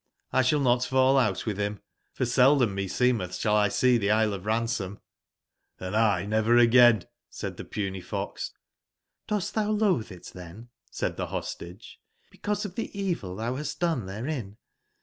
Xeball not fall out with him ; for seldom me seemeth shall 1 see the Isle of Ransom "j^ '' Hnd 1 n ever again /'said the puny fox J?* *Dos t thou loathe it, then/' said the Hostage/' because of the evil thou hast done therein